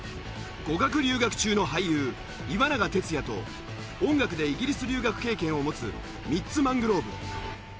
語学留学中の俳優岩永徹也と音楽でイギリス留学経験を持つミッツ・マングローブ。